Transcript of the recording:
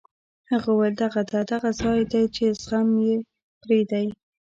هغه وویل: دغه ده، دغه ځای دی چې زخم یې پرې دی.